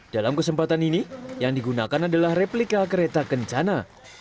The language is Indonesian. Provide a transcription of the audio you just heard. dalam kesempatan ini yang digunakan adalah replika kereta kencana